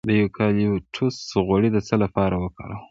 د یوکالیپټوس غوړي د څه لپاره وکاروم؟